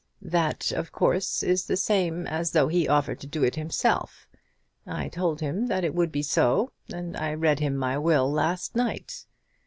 That, of course, is the same as though he offered to do it himself. I told him that it would be so, and I read him my will last night.